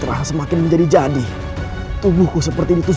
aku akan menangkapmu